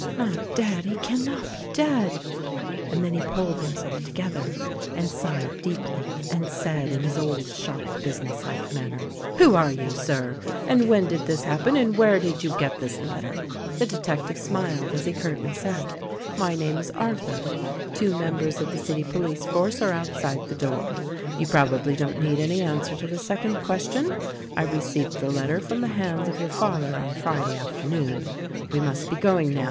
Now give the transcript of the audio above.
not dead? He can not be dead?" And then he pulled himself together and sighed deeply and said, in his old, sharp busi ness like manner, "Who are you, Sir, and when did this happen, and where did you get this letter." The detective smiled as he as curtly said, "My name is Arthur — two members of the city police force are outside the door. You probably don't need any answer to the second question. I received the letter from the hands of your father on Friday afternoon. We must be going now.